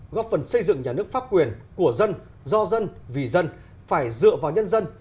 góp phần xây dựng nhà nước pháp quyền của dân do dân vì dân phải dựa vào nhân dân